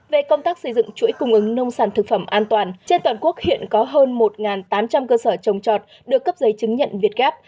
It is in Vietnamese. về công tác xây dựng chuỗi cung ứng nông sản thực phẩm an toàn trên toàn quốc hiện có hơn một tám trăm linh cơ sở trồng trọt được cấp giấy chứng nhận việt gáp